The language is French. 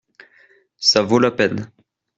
Ça vaut la peine.